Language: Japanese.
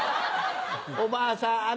おばあさん